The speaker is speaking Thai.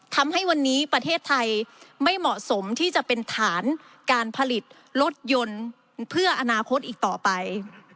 ทำให้วันนี้ประเทศไทยไม่เหมาะสมที่จะเป็นฐานการผลิตรถยนต์เพื่ออนาคตอีกต่อไป